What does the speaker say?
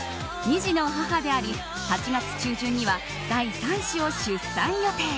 ２児の母であり８月中旬には第３子を出産予定。